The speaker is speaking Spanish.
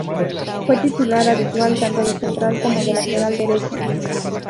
Fue titular habitual tanto de central como de lateral derecho.